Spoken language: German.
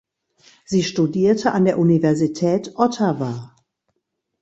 Sie studierte an der Universität Ottawa.